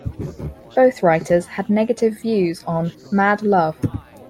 Both writers had negative views on "Mad Love".